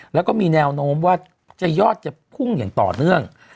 แล้วก็มีแนวโน้มว่ายอดจะพุ่งอย่างต่อเนื่อง